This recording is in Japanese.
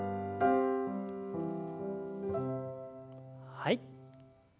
はい。